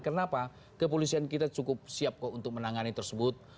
kenapa kepolisian kita cukup siap kok untuk menangani tersebut